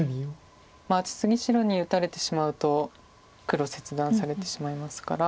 次白に打たれてしまうと黒切断されてしまいますから。